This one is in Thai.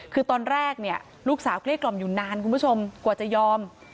คือตอนแรกเนี่ยลูกสาวเกลี้กล่อมอยู่นานคุณผู้ชมกว่าจะยอม